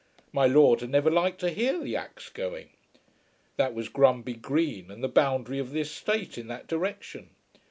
"My Lord" had never liked to hear the axe going. That was Grumby Green and the boundary of the estate in that direction.